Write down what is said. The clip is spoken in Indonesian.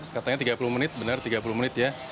katanya tiga puluh menit benar tiga puluh menit ya